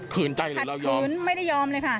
ใจหรือเรายอมขืนไม่ได้ยอมเลยค่ะ